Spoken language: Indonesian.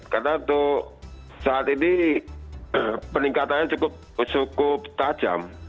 karena untuk saat ini peningkatan yang cukup tajam